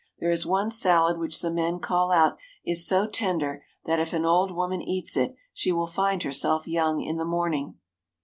There is one salad which the men call out is so tender that if an old woman eats it she will find herself young in the morning.